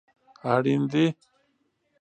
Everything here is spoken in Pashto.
اړین دي